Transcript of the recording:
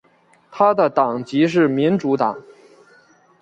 他的党籍是民主党。